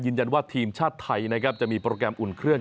ยืนยันว่าทีมชาติไทยนะครับจะมีโปรแกรมอุ่นเครื่อง